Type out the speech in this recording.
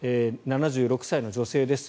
７６歳の女性です